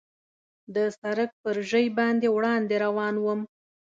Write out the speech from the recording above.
د سړک پر ژۍ باندې وړاندې روان ووم.